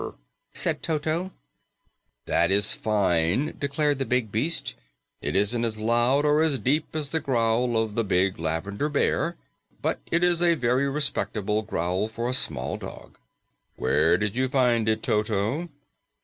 said Toto. "That is fine," declared the big beast. "It isn't as loud or as deep as the growl of the big Lavender Bear, but it is a very respectable growl for a small dog. Where did you find it, Toto?"